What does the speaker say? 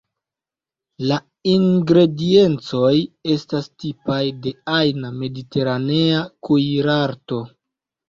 La ingrediencoj estas tipaj de ajna mediteranea kuirarto.